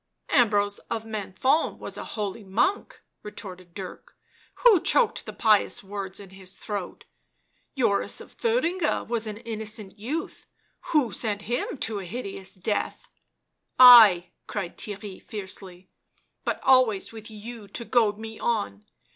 " Ambrose of Menthon was a holy monk," retorted Dirk. " Who choked the pious words in his throat? Joris of Thuringia was an innocent youth — who sent him to a hideous death?" " I !" cried Theirry fiercely ;" but always with you to goad me on